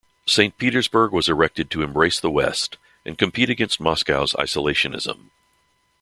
Saint Petersburg was erected to embrace the West and compete against Moscow's isolationism.